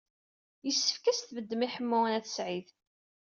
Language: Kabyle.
Yessefk ad as-tbeddem i Ḥemmu n At Sɛid.